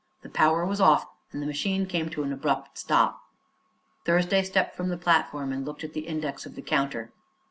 The power was off, and the machine came to an abrupt stop. Thursday stepped from the platform and looked at the index of the counter.